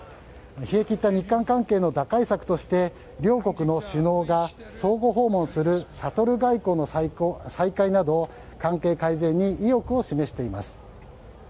冷え切った日韓関係の打開策として両国の首脳が相互訪問するシャトル外交の再開など関係改善に意欲を示しています。